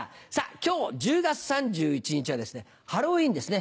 今日１０月３１日はハロウィーンですね。